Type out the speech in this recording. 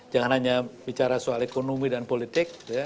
jangan hanya bicara soal ekonomi dan politik